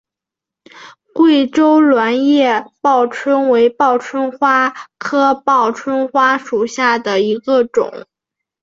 贵州卵叶报春为报春花科报春花属下的一个种。